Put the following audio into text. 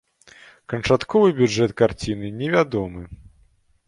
Канчатковы бюджэт карціны невядомы.